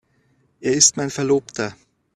Er ist mein Verlobter.